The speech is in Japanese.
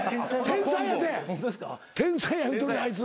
天才や言うとるあいつ。